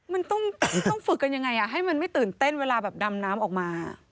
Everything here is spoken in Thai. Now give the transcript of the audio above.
มันต้องฝึกกันยังไงให้มันไม่ตื่นเต้นเวลาแบบดำน้ำออกมา